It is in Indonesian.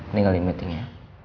tinggal di meetingnya